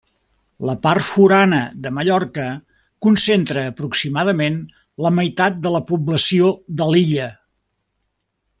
La Part Forana de Mallorca concentra aproximadament la meitat de la població de l'illa.